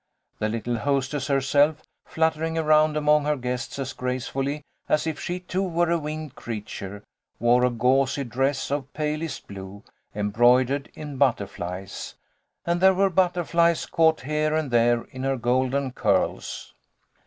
The little hostess herself, fluttering around among her guests as gracefully as if she too were a winged creature, wore a gauzy dress of palest blue, embroidered in butterflies, and there were butterflies caught here and there in her golden curls.